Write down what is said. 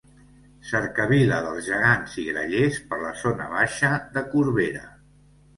Cercavila dels Gegants i Grallers per la zona baixa de Corbera.